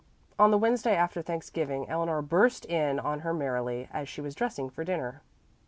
On the Wednesday after Thanksgiving Eleanor burst in on her merrily, as she was dressing for dinner.